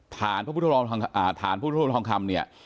ฐานพระฐานพุทธรูปทองคำเนี่ย